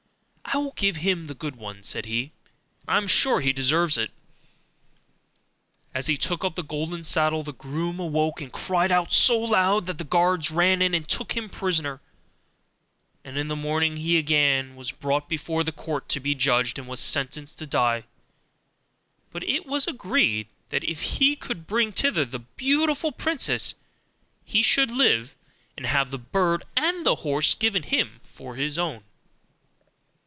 'I will give him the good one,' said he; 'I am sure he deserves it.' As he took up the golden saddle the groom awoke and cried out so loud, that all the guards ran in and took him prisoner, and in the morning he was again brought before the court to be judged, and was sentenced to die. But it was agreed, that, if he could bring thither the beautiful princess, he should live, and have the bird and the horse given him for his own.